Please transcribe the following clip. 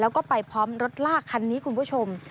แล้วก็ไปพร้อมรถลากคันนี้คุณผู้ชม